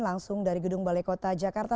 langsung dari gedung balai kota jakarta